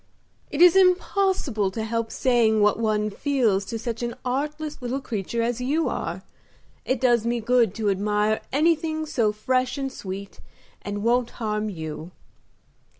"It is impossible to help saying what one feels to such an artless little creature as you are. It does me good to admire anything so fresh and sweet, and won't harm you."